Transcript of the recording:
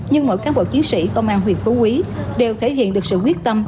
nhưng mỗi cán bộ chiến sĩ công an huyện phú quý đều thể hiện được sự quyết tâm